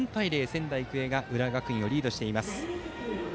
仙台育英が浦和学院をリードしています。